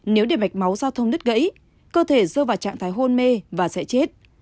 nếu để mạch máu giao thông nứt gãy cơ thể rơi vào trạng thái hôn mê và sẽ chết